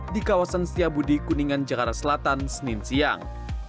di kawasan setiabudi kuningan jakarta selatan senin siang